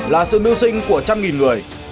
là sự mưu sinh của trăm nghìn người